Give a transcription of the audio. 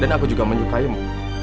dan aku juga menyukaimu